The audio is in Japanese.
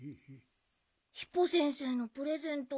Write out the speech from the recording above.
ヒポ先生のプレゼント